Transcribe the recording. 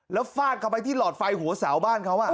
แล้วฟาดเข้าไปที่หลอดไฟหัวเสาบ้านเขา